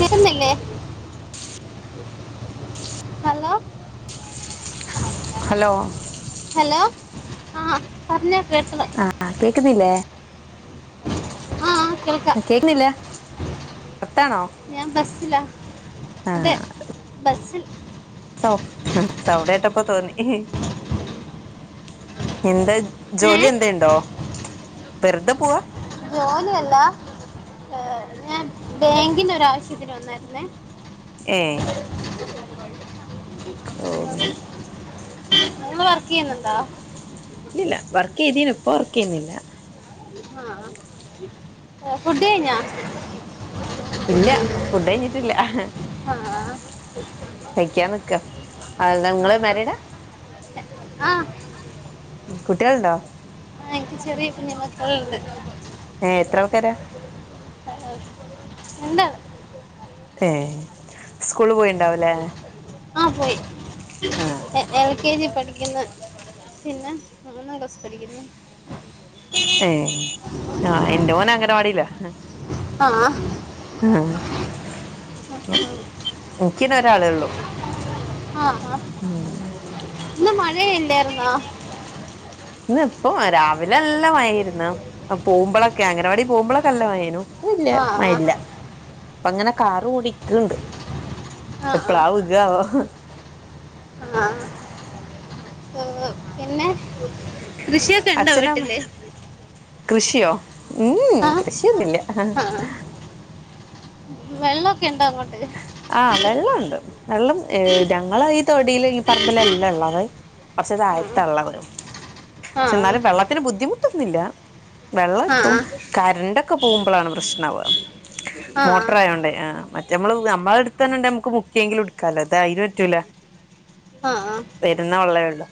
തരുന്നില്ലേ hello hello ആഹ പറഞ്ഞെ ആഹ കേക്കുന്നില്ലേ ആഹ ആ കേേക്ക്ുന്നില്ല ഞാൻ ബസിലാ അതെ ആഹ് ബസിൽ സൗ സൗടെ ആട്ടപ്പ തോന്നി എന്താ ഏ ജോലി എന്താ ഉണ്ടോ വെറുതെ പോവാ ജോലിയല്ല ഏ ഞാൻ ബാങ്കിിന ഒരാവശ്യത്തിന് വന്നായിുന്നേ ഏ ഓ അങ്ങനെ നിങ്ങൾ വർക്ക് ചെയ്യുന്നുണ്ടോ ഇല്ലല്ല വർക്ക് ചെയ്തീന് ഇപ്പ വർക്ക് ചെയ്യുന്നില്ല ആഹ ഫുഡ കഴഞ്ഞാ ഇല്ല ഫുഡ് കഴഞ്ഞിട്ടില്ല ആ ആ കയ്ക്കാ നക്ക അ നിങ്ങള്മാരടാ ആഹ കുട്ടികളണ്ടോ ആക്ക ശരിപ്പ നി മക്ക ഏ എത്ര ആൾക്കാര ആ ഉന്താണ് ഏ സ്കൂള് പോയിണ്ടാവലേ ആഹ പോയി എൽ കെ ജി പഠ പിന്നെ ന്ന കസടിക്കുന്നു ഏ ആഹ എന്റെറെ മോന അങ്ങന പാടില്ല ആഹ ഉങ്ങ എിക്കനെ ഒരാളേ ഉള്ളു ആഹ് ആഹ് ഉം ഇന്ന് മഴയ ഇല്ലായിരുന്നാ ഇ ഇപ്പൊ രാവിലെ അല്ല നല്ല മഴ ഇരുന്നു പോകുമ്പോളൊക്കെ അംഗനവാടി പോകുമ്പോളൊക്കെ എല്ല മഴനു വല് ആഹ് മഴല്ല അപ്പ അങ്ങനെ കാറ് ഓടിക്കണ്ട് ആഹ് എപ്പളാവുകോ ആഹ പിന്നെ കൃഷിയൊക്കെ അച്ഛനോ ഇണ്ടാവട്ടില്ലേ കൃഷിയോ ഉം കൃഷിയൊന്നില്ല ആഹ് വെള്ളമൊക്കെ ഇണ്ടോ അങ്ങോട്ടെ ആഹ് വെള്ളുണ്ട് വെള്ളം ഞങ്ങള് ഈ തൊടിൽ ഈ പറമ്പില എല്ലാം ഉള്ളത കുറച്ച ആഹ് ഇത്ാഴത്തള്ള വരും പക്ഷെ ആഹ് എന്നാലും വെള്ളത്തിന് ബുദ്ധിമുട്ടൊന്നുംില്ല വെള്ളം എത്തും കരണ്ടൊക്കെ പോകുമ്പോളാണ് കൃഷ്ണവ് ആഹ് ആഹ് മോട്ടർ ആയോണ്ടേ ആ മ മ്മള് നമ്മളെ അടുത്തണണ്ടെ നമുക്ക് മുക്കിയെങ്കിലും എടുക്കാാലോ അത് അയിനറ്റൂല ആഹ് പെരുന്ന വള്ളയേള്ളൂ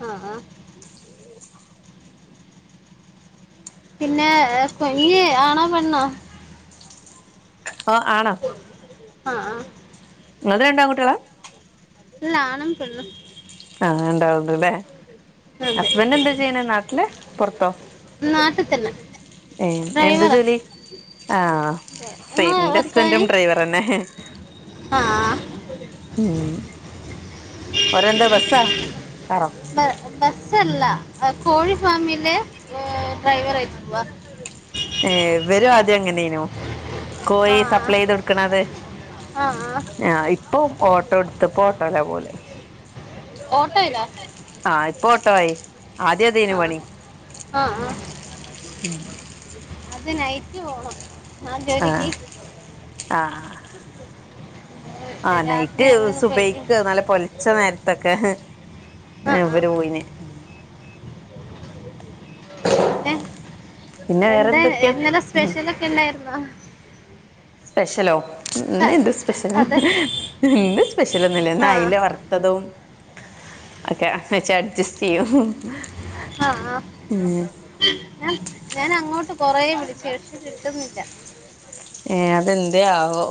ആ ആ പിന്നെ ഹെ കൊഞ്ഞ് ആണോ പെണ്ണോ ഒ ആണോ ആഹ് ഇങ്ങൾ രണ്ടാൺ കൂട്ടികളാ ഇല്ല ആണും പെണ്ണും അങ്ങനെണ്ടാവൂലല്ലേ അതെ ഹസ്ബൻഡ് എന്താ ചെയ്യണേ നാട്ടില് പൊറത്തോ നാട്ടിൽ തന്നെ എ എന്ത് ഡ്രൈവറാ ജോലി ആ നിങ്ങളെ സൈയിദിന്റെ ഭർത്താവിന് ഹസ്ബൻറും ഡ്രൈവർന്നെ ഹെ ആഹ് ഉം ഒരെന്താ ബസ്സാ കാറോ അല്ല കോഴി ഫാമിലെ ഏ ഡ്രൈവർ ആയിട്ട ഏ വരും അ എങ്ങനേനു ആ കോഴി സപ്ലൈയ്ത് കൊടുക്കണത് ആ ആ. ആ ഇപ്പൊ ഓട്ടോ എടുത്തപ്പോ ഓട്ടോലാ പോല് ഓട്ടോ ഏതാ ആ ഇപ്പൊ ഓട്ടായി ആദ്യ അതേനു ആ പണി ആ ആ. ഉം അത് നൈറ്റ് പോണം ആ ആഹ് ജോലിക്ക് ആ ഏ, രാത്രി നൈറ്റ് അങ്ങനെ പോയി സുബൈക്ക്ന്ന ആ ഏ ആ ഇവര് പോയിന് പിന്നെ പിന്നെ എന്താ വേറെന്തൊക്കെയാ ഇന്നലെ ഉം സ്പെഷ്യലൊക്കെ ഉണ്ടായിരുന്നോ സ്പെഷ്യലോ ഹ, ഇന്നന്ത് സ്പെഷ്യൽ അതെ ഹെ ഇന്ന് സ്പെഷ്യലൊന്നും ഇല്ല ഇന്ന് ആ അയില വറ ത്തതവും ഒക്കെ വെച്ച് അഡ്ജസ്റ്റയ്യും അ ആ ഞൻ ഞാനങ്ങോട്ടും കൊറേ വിളിച്ചു ഷ് കിട്ടുന്നില്ല ഏ അതെന്തയാവോ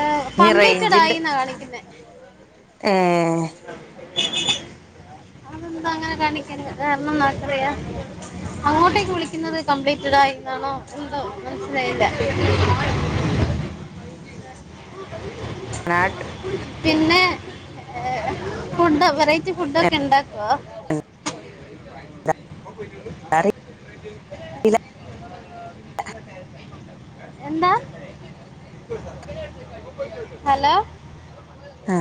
ഏ റേഞ്ചിന്റെ കമ്പ്ളിറ്റഡായിന്ന കാണിക്കുന്നെ ഏ അതെന്താ അങ്ങനെ കാണിക്കണെ കാരണന്നാർക്കറിയാ അങ്ങോട്ടേക്ക് വിളിക്ക്ന്നത് കംപ്ലീറ്റടായി എന്നാണോ എന്തോ മനസിലായില്ല ഉം പിന്നെ ഏഹ്‌ ഫുഡ് വെറൈറ്റി ഫുഡൊക്കെ ഇണ്ടാക്കോ അറി എന്താ ഹലോ ആ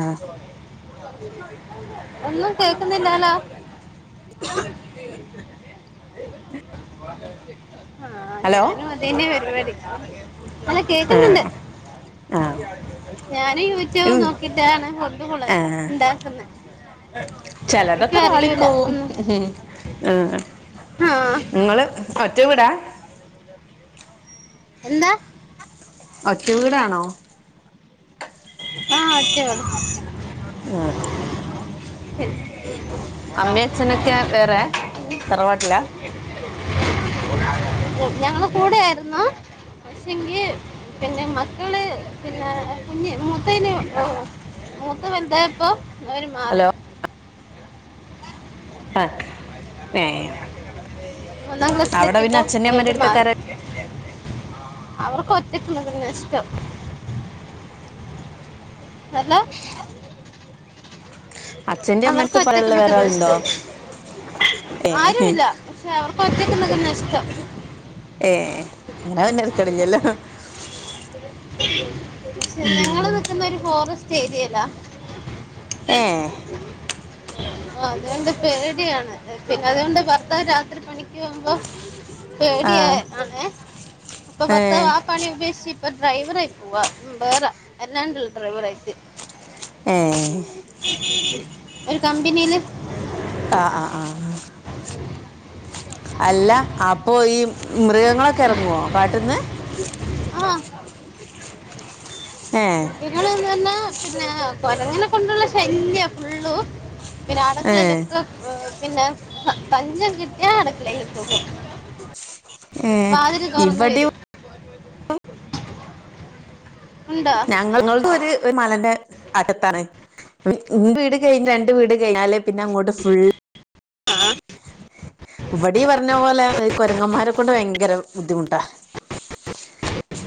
ഒന്നും കേക്ക്ന്നില്ലാലോ ആഹ് ഹലോ ഞാനും അതന്നെ പരിവാടി അല്ല ആ കേക്ക്ന്നുണ്ട് ആ ഞാന് യൂട്യൂബ് ഉം നോക്കിട്ടാണ് ഫുഡ് ഫുള്ള് ആ ഇണ്ടാക്ക്ന്നെ ചെലതൊക്കെ പാളിപ്പോവും ഒന്നും ആഹ് ആ ഇങ്ങള് ഉം ഒറ്റ വീടാ എന്താ ഒറ്റ വീടാണോ ആഹ് ഒറ്റ വീട് ആഹ് [unintelligible] അമ്മേം അച്ഛനൊക്കെ വേറെ തറവാട്ടിലാ ഞങ്ങള് കൂടെയായിുന്നോ? പക്ഷെങ്കി പിന്നെ മക്കള് പിന്നെ കുഞ്ഞ് മു മുത്തന് മൂത്ത വലുതായപ്പ അവര് മാറി. ഹലോ അ ഏ ഒന്നാം ക്ലാസ്സിൽ അവിടെ പിന്നെ എത്തിയപ്പോ അച്ഛന്റെ അമ്മന്റെ അവര് മാറി. അടുത്തൊക്കെ അവർക്ക് ഒറ്റക്ക് മറന്ന ഇഷ്ടം. അല്ലാ അച്ഛന്റെ അവർക്കും അമ്മടുത്ത് ഒറ്റക്കു പറയാനുള്ള വേറെ നിക്കുന്നതാ ആളുണ്ടോ ഇഷ്ടം. ഏ ആരും ഇല്ല പക്ഷെ അവർക്ക് [unintelligible] പ്രത്യേക ലഗ നസ്ത ഏ അങ്ങനെ പിന്നെ ഇക്കടില്ലല്ലോ. പക്ഷെ ഞങ്ങള് ഉം നിക്കുന്ന ഒരു ഫോറസ്റ്റ് ഏരിയല്ലാ. ഏ [unintelligible] [inaudible] [unintelligible] ആ അതുകൊണ്ട് പേടിയാണ്. പിന്നെ അതുകൊണ്ട് ഭർത്താവ് രാത്രി പണിക്ക് പോകുമ്പോ ആ പേടിയാണേ, അപ്പൊ ഏ ഭർത്താവ് ആ പണി ഉപേക്ഷി പ്പി ഡ്രൈവറായി പോവാ. ഉം വേറെ എല്ലാണ്ടുള്ള ഡ്രൈവറായിട്ട്. ഏ ഒരു കമ്പനിയില്. ആ ആ ആ അല്ല! അപ്പൊ ഈ മൃഗങ്ങളൊക്കെ ഇറങ്ങുവോ? കാട്ടീന്ന്. ങ്ങ ഏ നിങ്ങളെവിടുന്ന? പിന്നെ കൊരങ്ങനെ കൊണ്ടുള്ള ശല്യ ഫുുള്ളും പിന്നെ ഏ അടക്കളയിലൊക്കെ പിന്നെ തഞ്ചം കിട്ടിയ അടുക്കളയല് കേറും. ഏ വാതില് തുറന്നു ഇവിടെ വരും. ഉണ്ടോ ഞങ്ങളുടെ ഒരു മലന്റെ അടുത്താണ്. ൻ്റെ വീട് കഴിഞ്ഞു രണ്ട് വീട് കഴിഞ്ഞാലേ പിന്നെ അങ്ങോട്ട് ഫുള് ആഹ ഇവിടെ ഈ പറഞ്ഞ പോലെ ഈ കുരങ്ങമാരെക്കൊണ്ട് ഭയങ്കര ബുദ്ധിമുട്ടാ.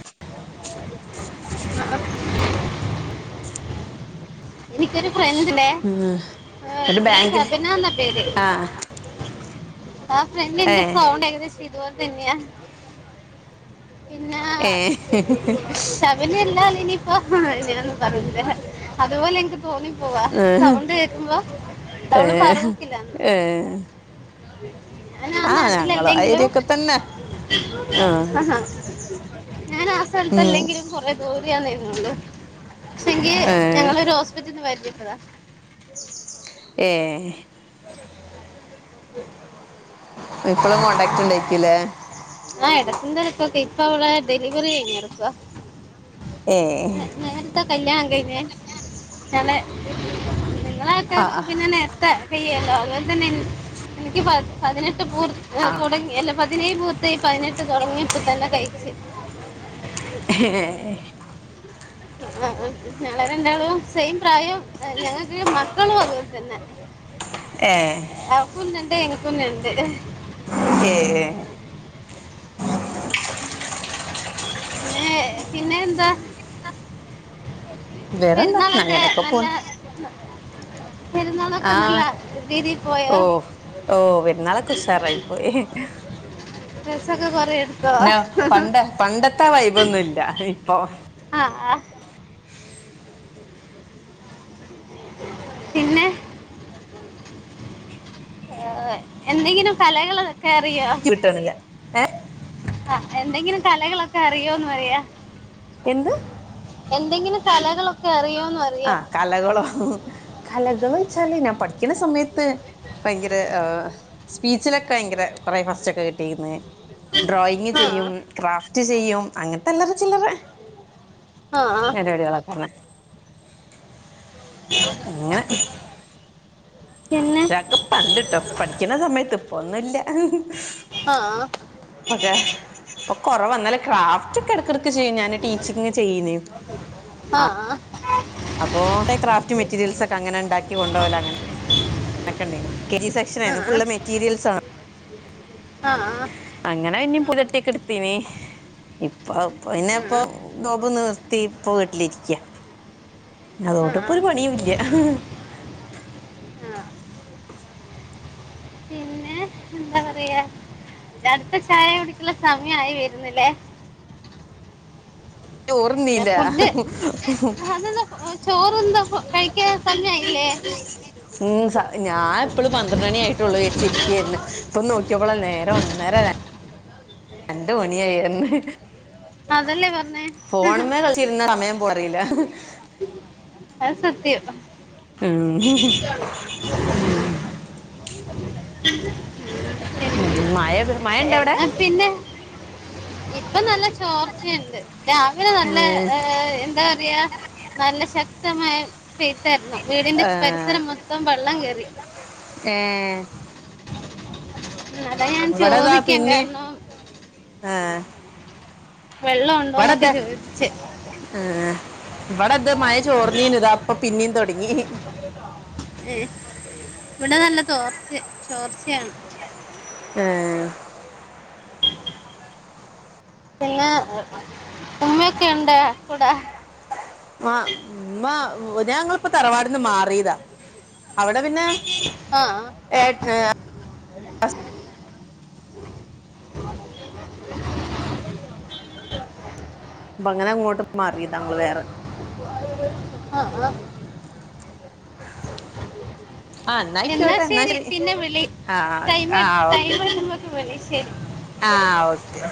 [unintelligible] എനിക്കൊരു ഫ്രണ്ട്ണ്ടേ ഉം ഓ എന്നിട്ട് ബാങ്കിൽ ശബന എന്ന പേര്. ആഹ് ആ ഫ്രണ്ടിന്റെ ഏഹ് സൗണ്ട് ഏകദേശം ഇതുപോലെ തന്നെയാ. പിന്നാ ഏഹ് ശബന എല്ലാ ഇനി ഓ ഞാനൊന്നു പറയുന്നില്ല അതുപോലെ [unintelligible] തോന്നിപ്പോവാ ഏഹ് സൗണ്ട് കേക്കുമ്പോ അവള് [unintelligible] ഏഹ് ഫറുക്കില്ലാന്ന്. ഏഹ് നാ ആഹ് ഞങ്ങളും ആ നാട്ടിലലെങ്കിലും. ഏരിയൊക്കെ തന്നെ ആഹ് ഹ ഹ ഞാൻ ആ ഉം സ്ഥലത്ത്തില്ലെങ്കിലും. കൊറേ ദൂരെ ആണേന്നുള്ളും പക്ഷെങ്കി ഞങ്ങളൊരു ഹോസ്പിറ്റലിൽ നിന്ന് വരത്തിട്ടതാ. ഏ [unintelligible] ഇപ്പളും കോണ്ടാക്ട് ഉണ്ടായിരിക്കൂലേ [unintelligible] പ്പ അവിടെ ഡെലിവറി കഴിഞ്ഞടുക്ക. ഏഹ് നേരത്തെ കല്യാണം കഴിഞ്ഞേ ഞളെ ങ്ങള ആഹ് ആൾക്കാർക്ക്പിന്നെ നേർത്തേ കയ്യല്ലോ. അതുപോലെ തന്നെ എനി എനിക്ക് പതി പതിനെ [unintelligible] ആഹ് തുടങ്ങി അല്ല പതിനേഴ് പൂർത്തി. പതിനെട്ട് തുടങ്ങിയപ്പോ തന്നെ കഴിച്ചു. ഏ ആ, ആ ളരെന്താും സെയിം പ്രായം ഞങ്ങൾക്ക് മക്കളും അതുപോലെ തന്നെ ഏഹ് അവ കണ്ട് എങ്ങ കന്നണ്ട് [unintelligible] അതേ [unintelligible] പിന്നെ പിന്നെ എന്താ വേറെന്താ ന പെരുന്നാളൊക്കെ അങ്ങനെയൊക്കെ പോണ നല്ല പെരുന്നാളൊക്കെ ആഹ നല്ല രീതിയിൽ പോയോ ഓ ഓ പെരുന്നാളെക്കെ ഉഷാറായി പോയി ഡ്രസ്സൊക്കെ കൊറേയെ [unintelligible] പണ്ടെ പണ്ടത്തെ വൈബൊന്നുല്ല ഇപ്പൊ ആ ആ. പിന്നെ [unintelligible] എന്തെങ്കിലും കലകള് ക്കറിയോ കിട്ടണില്ല ഏ ആഹ് എന്തെങ്കിലും കലകളൊക്കെ അറിയോന്ന് പറിയാ എന്ത് എന്തെങ്കിലും കലകളൊക്കെ അറിയോ ആഹ് കലകളോ. കലകളൊയ്ച്ചാല് ഞാൻ പഠിക്ക്ണ സമയത്ത് ഭയങ്കര ആഹ് സ്പീച്ചിലൊക്കെ ഭയങ്കര കൊറെ ഫസ്റ്റക്കെ കിട്ടിന്ന്. ഡ്രോയിങ് ആ ചെയ്യും ക്രാഫ്റ്റ് ചെയ്യും അങ്ങൻത്തെ അല്ലറ ചില്ലറെ ആ [unintelligible] അങ്ങനെ പിന്നെ ക്ഷക്കെ പണ്ട്ട്ടോ. പഠിക്കണ സമയത്ത് ഇപ്പൊന്നുല്ല. ആ അതെ ഇപ്പ കൊറവ ഇന്നാലും ക്രാഫ്റ്റ് ഒക്കെ എട് ക്ക് ചെയ്യും ഞാന് ടീച്ചിങ് ചെയ്നെ. ആ ആഹ് ആ അപ്പോ ക്രാഫ്റ്റ് മെറ്റീരിയൽസ് ഒക്കെ അങ്ങനെ ഇണ്ടാക്കി കൊണ്ടോകല അങ്ങനെ അക്കണ്ടേനു. കെ ജി സെക്ഷൻ ആ ആയിരുന്നു ഫുള്ള് മെറ്റീരിയൽസ് ആ ആഹ് ആഹ് പുലട്ടിയക്കെ എട്ത്തീനി. ഇപ്പ പ്പിന്നെപ്പം നോമ്പ് നിർത്തിപ്പോ വീട്ടിലിര് ക്ക്യ. അതോണ്ട് ഇപ്പൊ ഒരു പണിയു ഇല്ല. പിന്നെ എന്താ പറയാ ജട്ത്ത ചായ കുടിക്കിള്ള സമയ ആയി വരുന്ന് ല്ലേ എ ചോറുന്നീല്ല ഫുഡ്‌ [unintelligible] കഴിക്ക സമയ ആയില്ലേ? ഉം സ ഞാൻ ഇപ്പളും പന്ത്രണ്ടണിയായിട്ടൊള്ളൂ ഏച്ച് ഇര്ക്ക്യായായിര്ന്ന്. ഇപ്പൊ നോക്കിയപ്പളല്ലെ നേരം ഒന്നേ [unintelligible] രണ്ട് മണിയായിയന്ന് അതല്ലേ പറഞ്ഞേ ഫോണ് മ്മേ കൾച്ചിര്ന്ന സമയം പോ അറീല. അഹ് സത്യം ഉം ഉം ഉം ഉം മഴ പെയ്ത് മഴ ഇണ്ടാ അവിടെ? എന്നാ പിന്നെ ഇപ്പൊ നല്ല ചോർച്ചയുണ്ട് രാവിലെ നല്ല ഏഹ് എന്താ പറയാ നല്ല ശക്തമായ പെയ്ത്തായിരുന്നു, വീടിന്റെ പരിസരം മൊത്തം വെള്ളം കേറി. ഏഹ് ഉം, അതാ ഞാൻ ഇവിടതാ ചോദിക്കാൻ പിന്നേം കാരണം ആഹ് വെള്ളം ഒണ്ടോന്നൊക്കെ ഇവിടെത് ചോദിച്ച് ആഹ് ഇവിടെത് മഴ ചോർന്നീന്നു ഇപ്പൊ ഇതാ പിന്നേം തൊടങ്ങി. ഏഹ്, ഇവിടെ നല്ല തോർച്ച ചോർച്ചയാണ് ഏഹ് പിന്നെ ഉമ്മയൊക്കെ ഇണ്ടെ കൂടെ? ആഹ് ഉമ്മ ഇത് ഞങ്ങളിപ്പോ തറവാടീന്ന് മാറിയതാ അവിടെ പിന്നെ ആ ഏട്ട് [unintelligible] [unintelligible] അങ്ങനെ ഇങ്ങോട്ട് മാറിയതാ ഞങ്ങള് വേറെ ആഹ് ആഹ് ആഹ് എന്നാ ഇന്നായിക്കോട്ടെ ഇന്നാ ശരി പിന്നെ വിളി ആഹ് ടൈം ആഹ് ക് ടൈം ഓക്കെ വരുമ്പോഴൊക്കെ വിളി ശരി ആഹ് ഓക്കേ